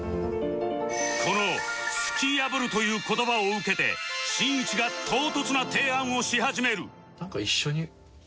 この「突き破る」という言葉を受けてしんいちが唐突な提案をし始める